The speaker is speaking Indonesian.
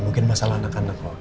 mungkin masalah anak anak kok